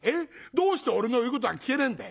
どうして俺の言うことが聞けねえんだい。